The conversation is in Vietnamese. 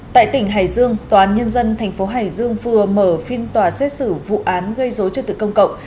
tại tỉnh hải dương tòa án nhân dân thành phố hải dương vừa mở phiên tòa xét xử vụ án gây dối trước tự công cộng